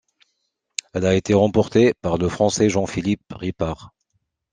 Elle a été remportée par le Français Jean-Philippe Pipart.